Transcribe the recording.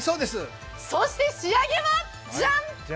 そして仕上げは、じゃん！